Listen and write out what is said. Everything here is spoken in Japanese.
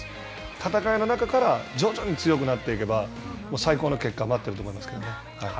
戦いの中から徐々に強くなっていけば最高の結果が待っていると思いますね。